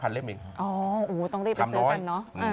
ต้องรีบไปซื้อกันเนอะ